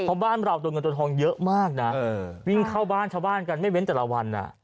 เพราะบ้านเราตัวเงินตัวทองเยอะมากนะวิ่งเข้าบ้านชาวบ้านกันไม่เว้นแต่ละวัน